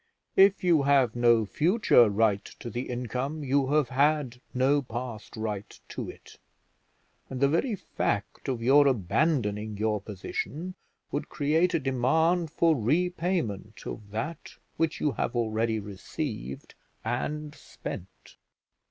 If you have no future right to the income, you have had no past right to it; and the very fact of your abandoning your position would create a demand for repayment of that which you have already received and spent."